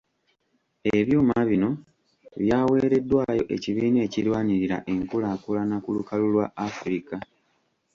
Ebyuma bino byaweereddwayo Ekibiina ekirwanirira enkulaakulana ku lukalu lwa Africa.